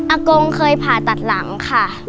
กงเคยผ่าตัดหลังค่ะ